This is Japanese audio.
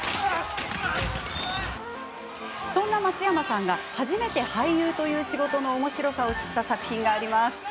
そんな松山さんが初めて俳優という仕事のおもしろさを知った作品があります。